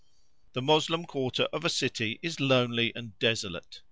The Moslem quarter of a city is lonely and desolate.